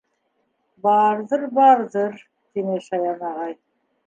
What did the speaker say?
— Барҙыр, барҙыр, — тине шаян ағай.